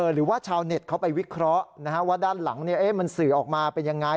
หรือว่าชาวเน็ตเขาไปวิเคราะห์ว่าด้านหลังมันสื่อออกมาเป็นยังไง